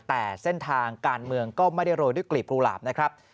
แต่เส้นทางการเมืองก็ไม่ได้โรยด้วยกลีบกุหลาบนะครับ